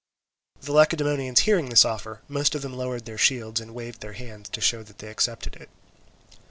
The Lacedaemonians hearing this offer, most of them lowered their shields and waved their hands to show that they accepted it.